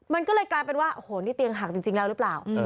มันก็เลยกลายเป็นว่าโอ้โหนี่เตียงหักจริงแล้วหรือเปล่า